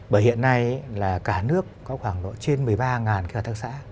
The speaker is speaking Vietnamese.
bởi hiện nay là cả nước có khoảng độ trên một mươi ba hợp tác xã